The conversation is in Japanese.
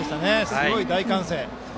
すごい大歓声。